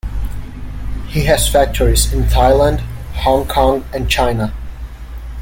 He has factories in Thailand, Hong Kong and China.